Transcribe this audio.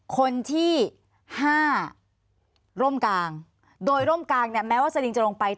คนที่ห้าร่มกลางโดยร่มกลางเนี่ยแม้ว่าสลิงจะลงไป